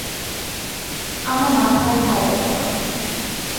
আমার মাথা আর ঘাড় ব্যথা করে।